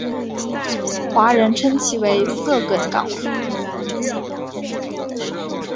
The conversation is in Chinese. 华人称其为色梗港府。